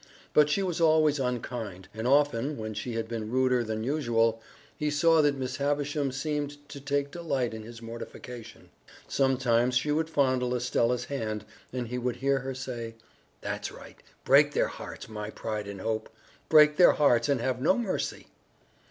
But she was always unkind, and often, when she had been ruder than usual, he saw that Miss Havisham seemed to take delight in his mortification. Sometimes she would fondle Estella's hand, and he would hear her say: "That's right! Break their hearts, my pride and hope! Break their hearts and have no mercy!"